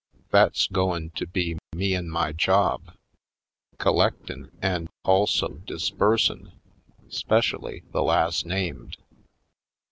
That's goin' be me an' my job — collectin' an' also disbursin' — 'specially the las' named."